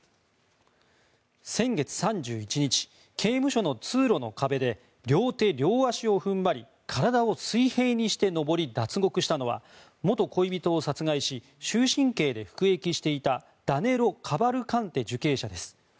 先月３１日、刑務所の通路の壁で両手両足を踏ん張り体を水平にして上り脱獄したのは元恋人を殺害し終身刑で服役していたダネロ・カバルカンテ受刑者です。